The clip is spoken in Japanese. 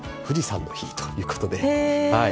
富士山の日ということで。